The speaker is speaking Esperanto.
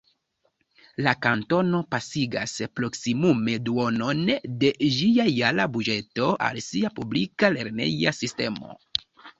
La kantono pasigas proksimume duonon de ĝia jara buĝeto al sia publika lerneja sistemo.